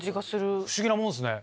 不思議なもんすね。